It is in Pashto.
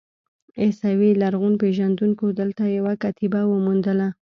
عیسوي لرغونپېژندونکو دلته یوه کتیبه وموندله.